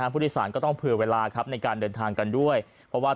ผู้โดยสารก็ต้องเผื่อเวลาครับในการเดินทางกันด้วยเพราะว่า